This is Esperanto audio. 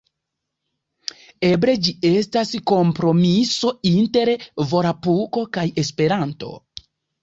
Eble ĝi estas kompromiso inter volapuko kaj Esperanto.